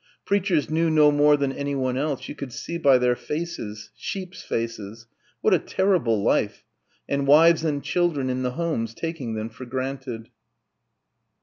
Preachers knew no more than anyone else ... you could see by their faces ... sheeps' faces.... What a terrible life ... and wives and children in the homes taking them for granted....